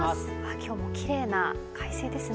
今日もきれいな快晴ですね。